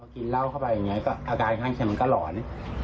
กินเหล้าเข้าไปอย่างนี้ก็อาการข้างเคียมันก็หลอน